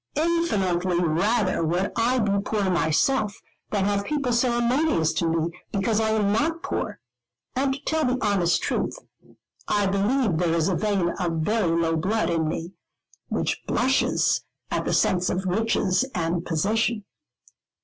Infinitely rather would I be poor myself, than have people ceremonious to me because I am not poor; and to tell the honest truth, I believe there is a vein of very low blood in me, which blushes at the sense of riches and position.